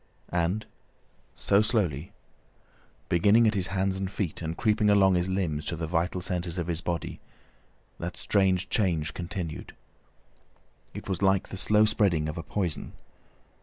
And so, slowly, beginning at his hands and feet and creeping along his limbs to the vital centres of his body, that strange change continued. It was like the slow spreading of a poison.